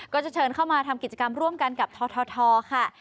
ก็จะเชิญเข้ามาทำกิจกรรมร่วมกันกับททค่ะ